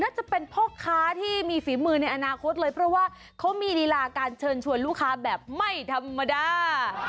จะเป็นพ่อค้าที่มีฝีมือในอนาคตเลยเพราะว่าเขามีลีลาการเชิญชวนลูกค้าแบบไม่ธรรมดา